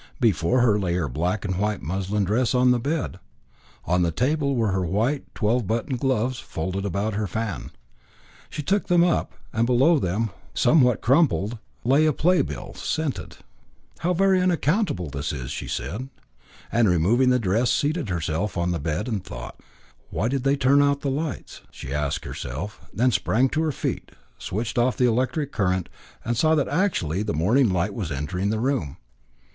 Before her lay her black and white muslin dress on the bed; on the table were her white twelve button gloves folded about her fan. She took them up, and below them, somewhat crumpled, lay the play bill, scented. "How very unaccountable this is," she said; and removing the dress, seated herself on the bed and thought. "Why did they turn out the lights?" she asked herself, then sprang to her feet, switched off the electric current, and saw that actually the morning light was entering the room.